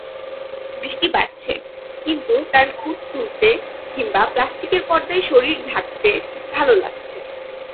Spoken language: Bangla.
বৃষ্টি বাড়ছে, কিন্তু তাঁর হুড তুলতে কিংবা প্লাস্টিকের পর্দায় শরীর ঢাকতে ভালো লাগছে।